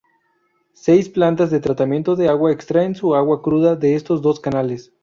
Seis plantas de tratamiento de agua extraen su agua cruda de estos dos canales.